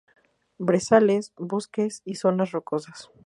Brezales, bosques y zonas rocosas.